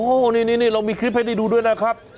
โอ้โหนี่เรามีคลิปให้ได้ดูด้วยนะครับ